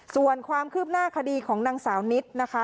ส่วนความคืบหน้าคดีของนางสาวนิดนะคะ